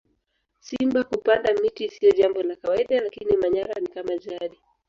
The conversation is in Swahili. simba kupanda miti siyo Jambo la kawaida lakini manyara ni kama jadi